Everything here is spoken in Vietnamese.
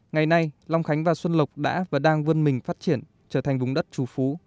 ngày nay long khánh và xuân lộc đã và đang vươn mình phát triển trở thành vùng đất chủ phú